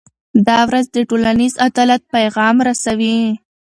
دا ورځ د ټولنیز عدالت پیغام رسوي.